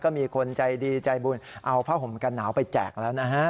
ก็มีคนใจดีใจบุญเอาผ้าห่มกันหนาวไปแจกแล้วนะฮะ